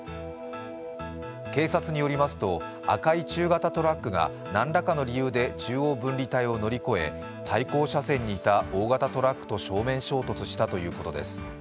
警察によりますと、赤い中型トラックが何らかの理由で中央分離帯を乗り越え対向車線にいた大型トラックと正面衝突したということです。